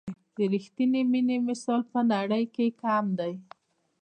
د رښتیني مینې مثال په نړۍ کې کم دی.